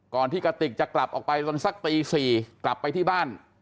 ที่กระติกจะกลับออกไปจนสักตี๔กลับไปที่บ้าน